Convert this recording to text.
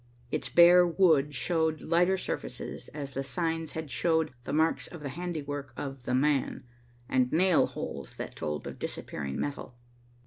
Its bare wood showed lighter surfaces, as the signs had showed the marks of the handiwork of "the man," and nail holes that told of disappearing metal.